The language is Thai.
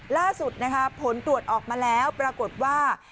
ล่าสุดนะคะผลตรวจออกมาแล้วปรากฏว่า